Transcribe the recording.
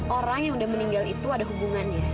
orang yang udah meninggal itu ada hubungannya